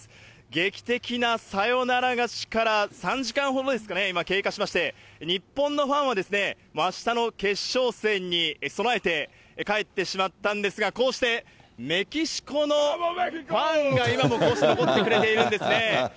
劇的なサヨナラ勝ちから３時間ほどですかね、今、経過しまして、日本のファンはもうあしたの決勝戦に備えて帰ってしまったんですが、こうしてメキシコのファンが今もこうして残ってくれているんですね。